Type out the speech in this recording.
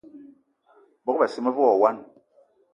Bogb-assi me ve wo wine.